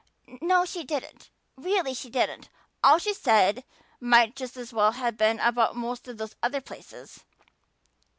"No, she didn't really she didn't. All she said might just as well have been about most of those other places.